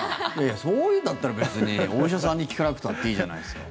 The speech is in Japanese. そういうのだったら別にお医者さんに聞かなくたっていいじゃないですか。